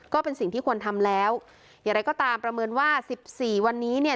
ก็เป็นสิ่งที่ควรทำแล้วอย่างไรก็ตามประเมินว่าสิบสี่วันนี้เนี่ย